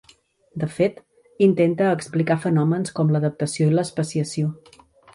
De fet, intenta explicar fenòmens com l'adaptació i l'especiació.